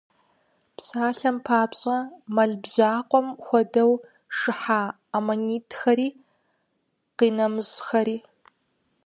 Псалъэм папщӏэ, мэл бжьакъуэм хуэдэу шыхьа аммонитхэри къинэмыщӏхэри.